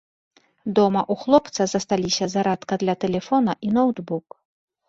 Дома ў хлопца засталіся зарадка для тэлефона і ноўтбук.